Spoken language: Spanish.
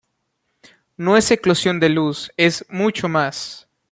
No es eclosión de luz, ¡es mucho más!